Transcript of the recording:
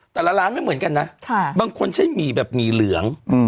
แต่ละร้านไม่เหมือนกันนะบางคนใช้หมี่แบบหมี่เหลือง